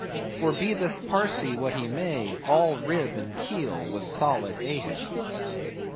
For be this Parsee what he may, all rib and keel was solid Ahab.